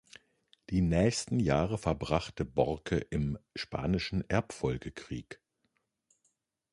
Die nächsten Jahre verbrachte Borcke im Spanischen Erbfolgekrieg.